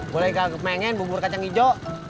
gue lagi gak pengen bubur kacang hijau